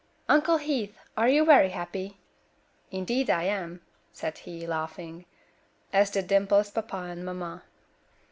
"Uncle Heath, are you very happy?" "Indeed, I am," said he, laughing, as did Dimple's papa and mamma.